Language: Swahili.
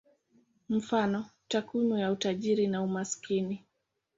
Mfano: takwimu ya utajiri na umaskini.